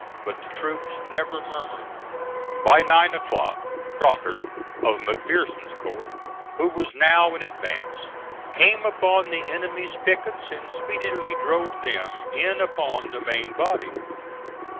But the troops never murmured. By nine o'clock Crocker, of McPherson's corps, who was now in advance, came upon the enemy's pickets and speedily drove them in upon the main body.